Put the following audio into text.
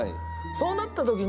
そうなった時に。